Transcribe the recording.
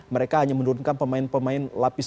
mereka hanya menurunkan pemain pemain lapis